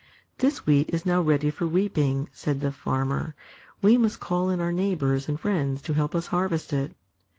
"This wheat is now ready for reaping," said the Farmer. "We must call in our neighbors and friends to help us harvest it."